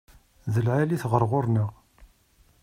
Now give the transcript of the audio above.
D lɛali-t ɣer ɣur-neɣ.